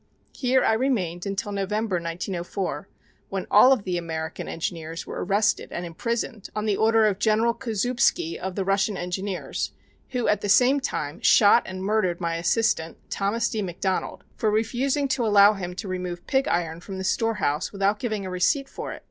Here I remained until November, 1904, when all the American engineers were arrested and imprisoned on the order of General Kozoubsky of the Russian Engineers, who at the same time shot and murdered my assistant, Thomas D. McDonald, for refusing to allow him to remove pig iron from the storehouse without giving a receipt for it.